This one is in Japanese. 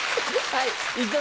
はい。